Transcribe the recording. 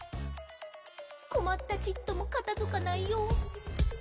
「こまったちっともかたづかないよ」